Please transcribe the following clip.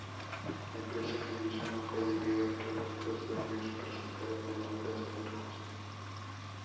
La empresa cambió su nombre debido a que los dos dueños presentaron demandas mutuas.